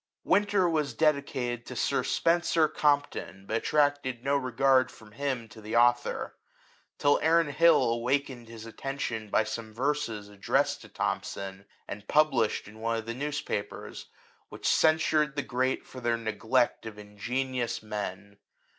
" Winter'' was dedicated to Sir Spencer Compton, but attracted no regard from him to the author ; till Aaron Hill awakened his attention by some verses addressed to Thom son, and published in one of the newspapers, which censured the great for their neglect of ingenious men.